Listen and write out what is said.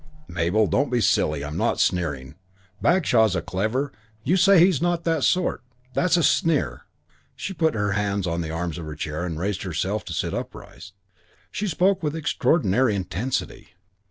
"Mabel, don't be silly. I'm not sneering. Bagshaw's a clever " "You say he's 'that sort.' That's a sneer." She put her hands on the arms of her chair and raised herself to sit upright. She spoke with extraordinary intensity.